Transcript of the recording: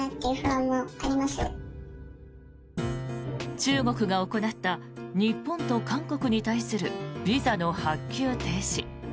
中国が行った日本と韓国に対するビザの発給停止。